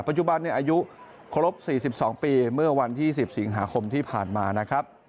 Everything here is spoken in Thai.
จุบันอายุครบ๔๒ปีเมื่อวันที่๑๐สิงหาคมที่ผ่านมานะครับ